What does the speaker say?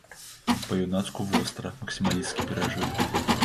Па-юнацку востра, максімалісцкі перажыў.